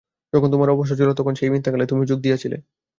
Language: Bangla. যখন তোমার অবসর ছিল, তখন সেই মিথ্যা খেলায় তুমিও যোগ দিয়াছিলে।